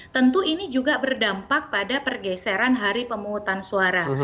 tentu ini juga berdampak pada pergeseran hari pemungutan suara